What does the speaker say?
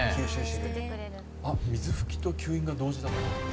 水拭きと吸引が同時だ。